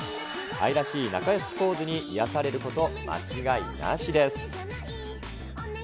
愛らしい仲よしポーズに癒やされること間違いなしです。